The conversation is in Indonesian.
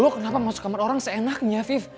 lo kenapa masuk kamar orang seenaknya fique